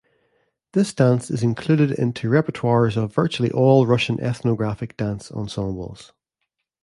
This dance is included into repertoires of virtually all Russian ethnographic dance ensembles.